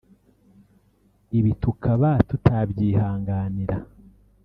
ibi tukaba tutabyihanganira